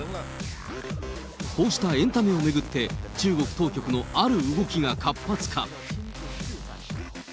こうしたエンタメを巡って、中国当局のある動きが活発化。